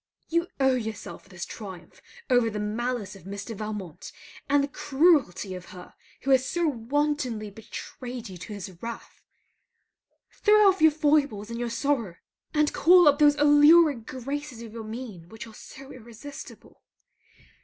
You owe to yourself this triumph over the malice of Mr. Valmont and the cruelty of her who has so wantonly betrayed you to his wrath. Throw off your foibles and your sorrow; and call up those alluring graces of your mien which are so irresistible.